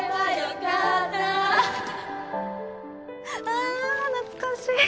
ああ懐かしい！